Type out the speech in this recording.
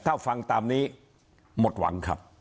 ถ้าฟังตามนี้หมดหวังครับ